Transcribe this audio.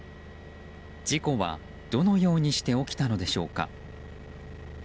事故はどのようにして起きたのでしょうか。